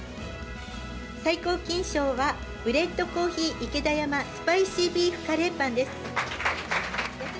最高金賞は、ブレッド＆コーヒーイケダヤマ、スパイシービーフカレーパンです。